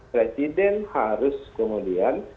presiden harus kemudian